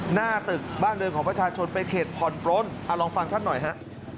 หน้าตึกบ้านเดิมของประชาชนไปเข็ดคอนโปรนลองฟังท่านหน่อยฮะ